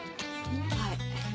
はい。